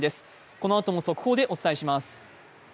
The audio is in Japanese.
このあとも速報でお伝えします。